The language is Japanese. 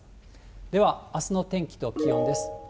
ではあすの天気と気温です。